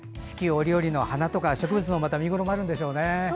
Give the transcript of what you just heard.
折々の花とか植物の見頃もあるんでしょうね。